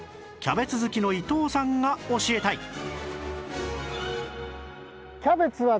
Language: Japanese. キャベツ好きの伊藤さんが教えたいえ！